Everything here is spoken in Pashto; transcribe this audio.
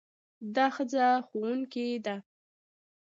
دا ښځه ښوونکې ده.